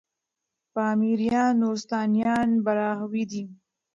پامـــــیـــریــــان، نورســــتانــیان براهــــوی دی